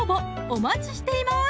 お待ちしています